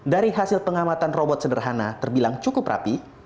dari hasil pengamatan robot sederhana terbilang cukup rapi